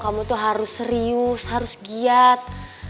kamu tuh harus serius harus giat